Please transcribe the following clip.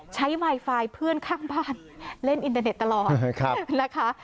ไมไฟล์เพื่อนข้างบ้านเล่นอินเตอร์เน็ตตลอดนะคะ